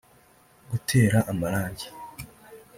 gutera amarangi